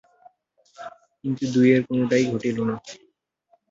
কিন্তু দুইয়ের কোনোটাই ঘটিল না।